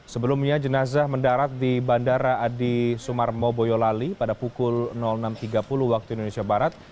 sebelumnya jenazah mendarat di bandara adi sumarmo boyolali pada pukul enam tiga puluh waktu indonesia barat